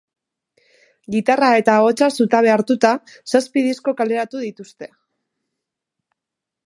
Gitarra eta ahotsa zutabe hartuta, zazpi disko kaleratu dituzte.